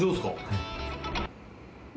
はい。